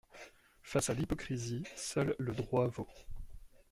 Face à l’hypocrisie, seul le droit vaut.